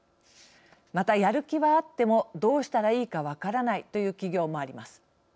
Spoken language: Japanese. またやる気はあってもどうしたらいいかわからないという企業もあります。